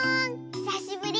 ひさしぶり。